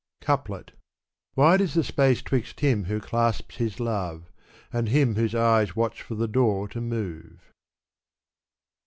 Couple/. Wide is the space 'twixt him who clasps his love, And him whose eyes watch for the door to move.